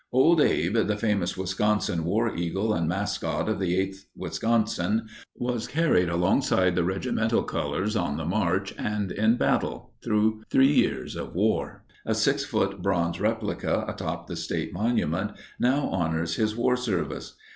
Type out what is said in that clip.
"Old Abe," the famous Wisconsin war eagle and mascot of the 8th Wisconsin, was carried alongside the regimental colors, on the march and in battle, through 3 years of war. A 6 foot bronze replica atop the State monument now honors his war service.